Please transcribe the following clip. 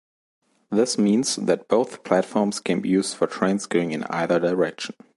This means that both platforms can be used for trains going in either direction.